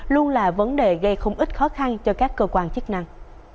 luôn là vấn đề gây không ít khó khăn cho các cơ quan chức năng